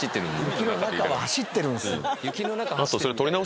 雪の中は走ってるんですよ。